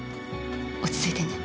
落ち着いてね。